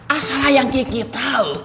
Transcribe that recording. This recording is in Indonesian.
asal ayang kiki tau